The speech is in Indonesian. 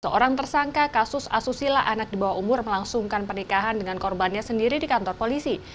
seorang tersangka kasus asusila anak di bawah umur melangsungkan pernikahan dengan korbannya sendiri di kantor polisi